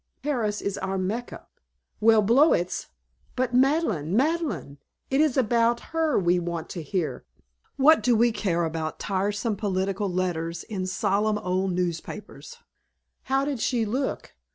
Paris is our Mecca. Well, Blowitz " "But Madeleine? Madeleine? It is about her we want to hear. What do we care about tiresome political letters in solemn old newspapers? How did she look?